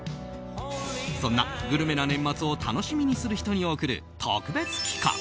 そんなグルメな年末を楽しみにする人に贈る特別企画。